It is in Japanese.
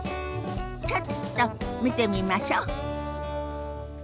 ちょっと見てみましょ。